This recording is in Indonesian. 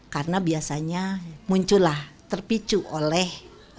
karena biasanya munculah terpicu oleh